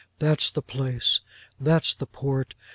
That's the place. That's the port.